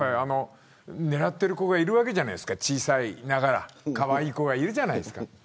狙っている子がいるわけじゃないですか小さいながらかわいい子がいるじゃないですか。